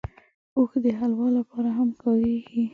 اوړه د حلوا لپاره هم کارېږي